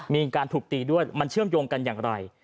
มีการถูกตีด้วยมันเชื่อมโยงกันอย่างไร